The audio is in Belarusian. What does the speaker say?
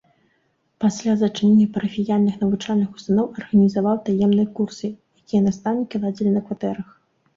Пасля зачынення парафіяльных навучальных устаноў арганізаваў таемныя курсы, якія настаўнікі ладзілі на кватэрах.